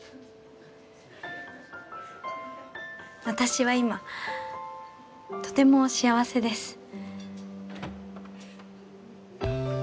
私は今とても幸せです。